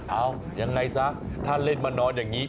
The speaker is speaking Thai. เอายังไงซะถ้าเล่นมานอนอย่างนี้